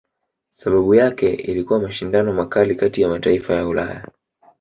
Sababu yake ilikuwa mashindano makali kati ya mataifa ya Ulaya